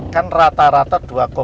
kan rata rata dua sembilan